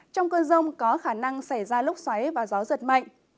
trong cơn rông có khả năng xảy ra lúc xoáy và gió giật mạnh